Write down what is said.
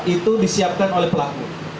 itu disiapkan oleh pelaku